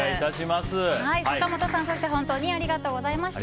坂本さん、本当にありがとうございました。